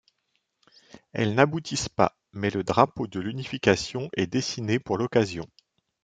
Elles n’aboutissent pas, mais le drapeau de l’unification est dessiné pour l’occasion.